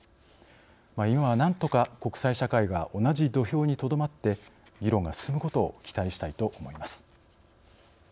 今は何とか国際社会が同じ土俵にとどまって議論が進むことを期待したいと思います。